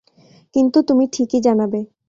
কিন্তু তুমি ঠিকই জানাবে।